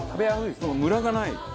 ムラがない。